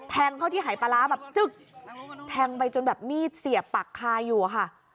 แทงเข้าที่หายปลาร้าแบบจึ๊กแทงไปจนแบบมีดเสียบปักคาอยู่อะค่ะ